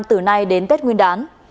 từ nay đến tết nguyên đán